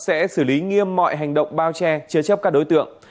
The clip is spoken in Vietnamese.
pháp luật sẽ xử lý nghiêm mọi hành động bao che chế chấp các đối tượng